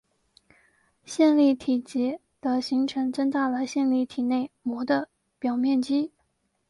线粒体嵴的形成增大了线粒体内膜的表面积。